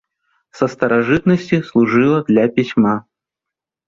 Са старажытнасці служыла для пісьма.